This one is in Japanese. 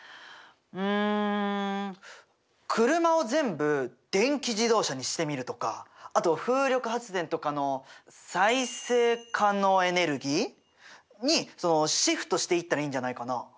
うん車を全部電気自動車にしてみるとかあと風力発電とかの再生可能エネルギー？にシフトしていったらいいんじゃないかな。